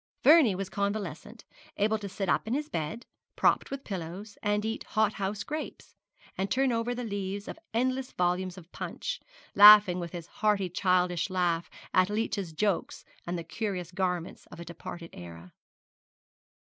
Vernie was convalescent, able to sit up in his bed, propped with pillows, and eat hot house grapes, and turn over the leaves of endless volumes of Punch, laughing with his hearty childish laugh at Leech's jokes and the curious garments of a departed era.